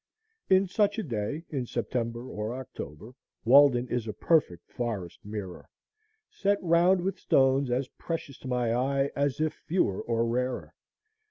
In such a day, in September or October, Walden is a perfect forest mirror, set round with stones as precious to my eye as if fewer or rarer.